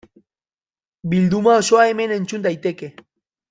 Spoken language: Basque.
Bilduma osoa hemen entzun daiteke.